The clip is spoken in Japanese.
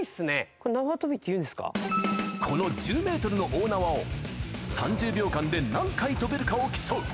これ、この１０メートルの大縄を、３０秒間で何回跳べるかを競う。